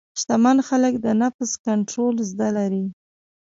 شتمن خلک د نفس کنټرول زده لري.